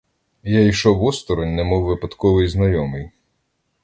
Я йшов осторонь, немов випадковий знайомий.